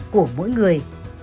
của mỗi người